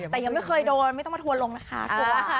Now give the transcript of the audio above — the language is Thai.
แต่ยังไม่เคยโดนไม่ต้องมาทวนลงนะคะตัวหลัง